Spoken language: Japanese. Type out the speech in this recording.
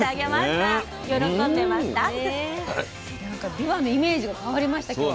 なんかびわのイメージが変わりましたけど。